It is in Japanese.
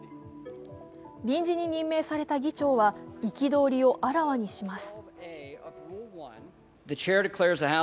臨時に任命された議長は憤りをあらわにします。